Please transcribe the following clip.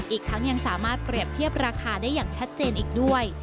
อีกทั้งยังสามารถเปรียบเทียบราคาได้อย่างชัดเจนอีกด้วย